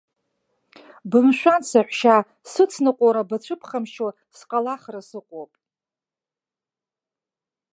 Бымшәан, саҳәшьа, сыцныҟәара бацәыԥхамшьо сҟалахра сыҟоуп.